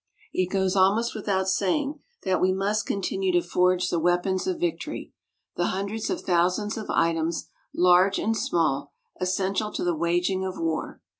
It goes almost without saying that we must continue to forge the weapons of victory the hundreds of thousands of items, large and small, essential to the waging of war.